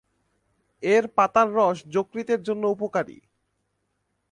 এর পাতার রস যকৃতের জন্য উপকারী।